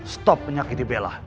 stop menyakiti bella